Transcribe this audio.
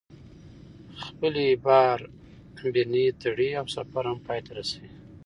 خپلې باربېنې تړي او سفر هم پاى ته رسي.